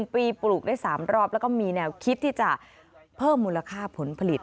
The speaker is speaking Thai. ๑ปีปลูกได้๓รอบแล้วก็มีแนวคิดที่จะเพิ่มมูลค่าผลผลิต